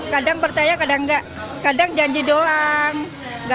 kadang percaya kadang nggak kadang janji doang